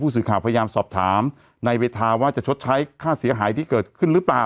สื่อข่าวพยายามสอบถามนายเวทาว่าจะชดใช้ค่าเสียหายที่เกิดขึ้นหรือเปล่า